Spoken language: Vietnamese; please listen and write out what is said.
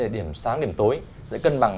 điểm sáng điểm tối giải cân bằng